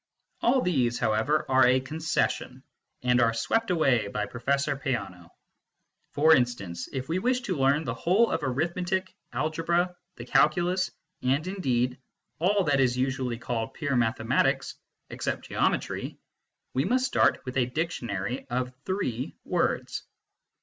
All these, how ever, are a concession, and are swept away by Professor Peano. For instance, if we wish to learn the whole of Arithmetic, Algebra, the Calculus, and indeed all that is usually called pure mathematics (except Geometry), we must start with a dictionary of three words.